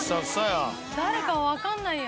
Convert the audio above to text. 誰か分かんないや。